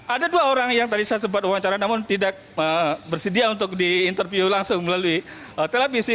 ada dua orang yang tadi saya sempat wawancara namun tidak bersedia untuk diinterview langsung melalui televisi